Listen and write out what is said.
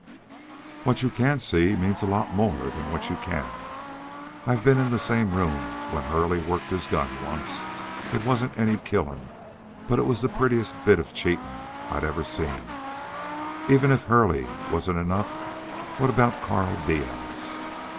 "What you can't see means a lot more than what you can. I've been in the same room when Hurley worked his gun once. It wasn't any killin', but it was the prettiest bit of cheatin' I ever seen. But even if Hurley wasn't enough, what about Carl Diaz?"